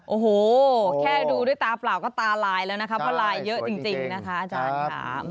โอ้โหแค่ดูด้วยตาเปล่าก็ตาลายแล้วนะคะเพราะลายเยอะจริงนะคะอาจารย์ค่ะ